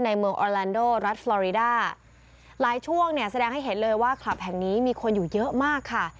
ในเมืองออแลนโดรัฐฟลอริดาหลายช่วงเนี่ยแสดงให้เห็นเลยว่าคลับแห่งนี้มีคนอยู่เยอะมากค่ะ